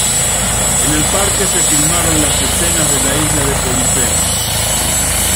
En el parque se filmaron las escenas de la isla de Polifemo.